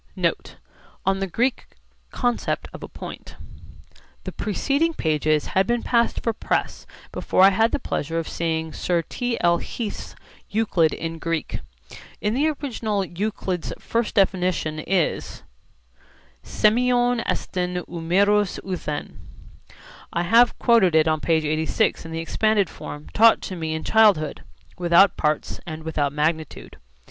NOTE: ON THE GREEK CONCEPT OF A POINT The preceding pages had been passed for press before I had the pleasure of seeing Sir T. L. Heath's Euclid in Greek. In the original Euclid's first definition is σημειον εστιν, ου μερος ουθεν. I have quoted it on p. 86 in the expanded form taught to me in childhood, 'without parts and without magnitude.'